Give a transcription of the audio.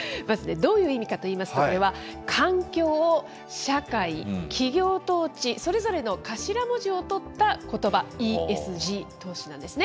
どういう意味かといいますと、これは環境・社会・企業統治、それぞれの頭文字を取ったことば、ＥＳＧ投資なんですね。